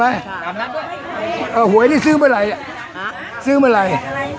ตามนัดด้วยอ่าหวยได้ซื้อเมื่อไหร่อ่ะซื้อเมื่อไหร่